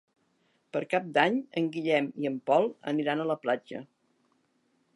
Per Cap d'Any en Guillem i en Pol aniran a la platja.